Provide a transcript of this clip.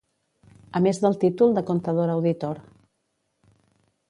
A més del títol de Contador Auditor.